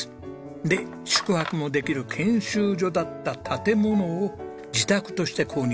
で宿泊もできる研修所だった建物を自宅として購入。